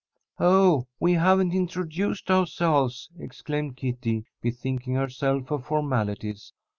"Oh, we haven't introduced ourselves," exclaimed Kitty, bethinking herself of formalities.